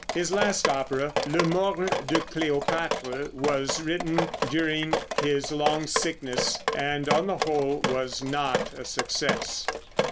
His last opera, "Le Mort de Cleopatre," was written during his long sickness, and on the whole was not a success.